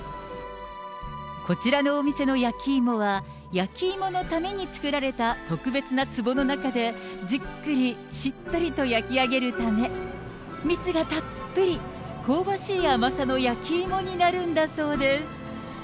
こちらのお店の焼き芋は、焼き芋のために作られた特別なつぼの中で、じっくり、しっとりと焼き上げるため、蜜がたっぷり、香ばしい甘さの焼き芋になるんだそうです。